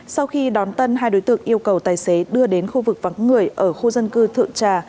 sau khi đón tân hai đối tượng yêu cầu tài xế đưa đến khu vực vắng người ở khu dân cư thượng trà